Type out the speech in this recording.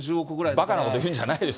ばかなこと言うんじゃないですよ。